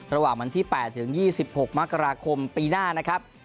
ระหว่างวันที่๘ถึง๒๖มกราคมปีหน้านะครับ